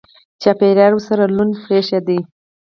چاپېریال ورسره لوند برېښېده.